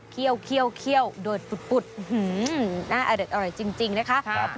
เคี่ยวเคี่ยวเคี่ยวโดยปุดปุดอืมน่าอร่อยจริงจริงนะคะครับ